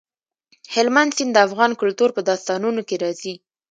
هلمند سیند د افغان کلتور په داستانونو کې راځي.